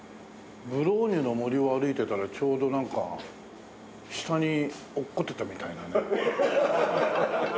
ブローニュの森を歩いてたらちょうどなんか下に落っこちてたみたいなね。